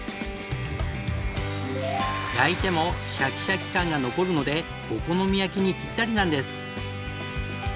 焼いてもシャキシャキ感が残るのでお好み焼きにピッタリなんです。